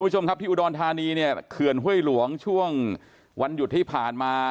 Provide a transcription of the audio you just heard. คุณผู้ชมครับที่อุดรธานีเนี่ยเขื่อนห้วยหลวงช่วงวันหยุดที่ผ่านมา